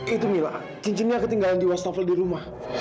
itu mila cincinnya ketinggalan di wastafel di rumah